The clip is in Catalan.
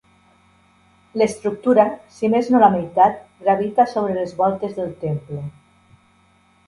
L'estructura, si més no la meitat, gravita sobre les voltes del temple.